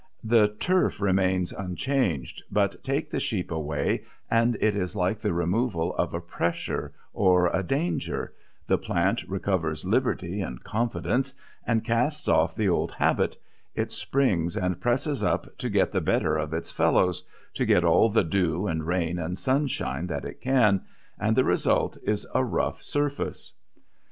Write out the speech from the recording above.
The turf remains unchanged; but take the sheep away and it is like the removal of a pressure, or a danger: the plant recovers liberty and confidence and casts off the old habit; it springs and presses up to get the better of its fellows to get all the dew and rain and sunshine that it can and the result is a rough surface.